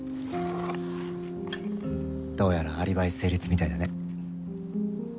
どうやらアリバイ成立みたいだね。